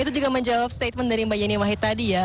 itu juga menjawab statement dari mbak yeni wahid tadi ya